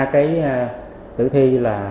ba cái tử thi là